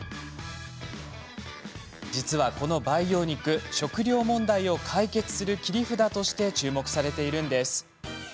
実はこの培養肉食糧問題を解決する切り札として注目されているんです。